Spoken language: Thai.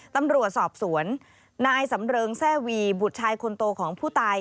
ตำรวจสอบสวนนายสำเริงแร่วีบุตรชายคนโตของผู้ตาย